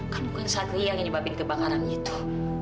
kan bukan satria yang nyebabin kebakaran itu